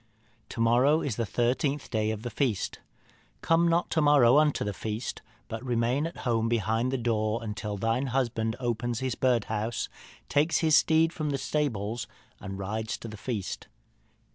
To morrow is the thirteenth day of the feast. Come not to morrow unto the feast, but remain at home behind the door until thine husband opens his birdhouse, takes his steed from the stable, and rides to the feast.